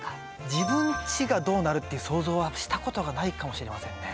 自分ちがどうなるっていう想像はしたことがないかもしれませんね。